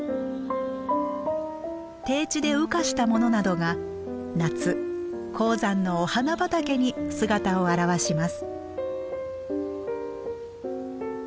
低地で羽化したものなどが夏高山のお花畑に姿を現します。